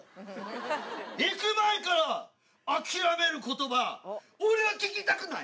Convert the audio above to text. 行く前から諦めることば、俺は聞きたくない。